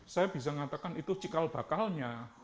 saya bisa mengatakan itu cikal bakalnya